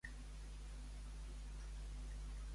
A la legislatura número deu?